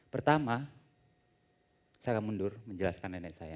pertama saya akan mundur menjelaskan nenek saya